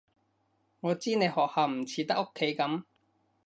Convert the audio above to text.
我知你學校唔似得屋企噉